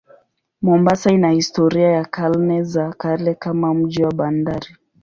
Mombasa ina historia ya karne za kale kama mji wa bandari.